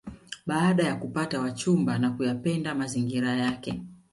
Baada ya kupata wachumba na kuyapenda mazingira yake